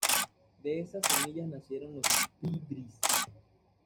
De esas semillas nacieron los bribris.